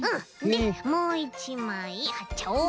でもういちまいはっちゃおう。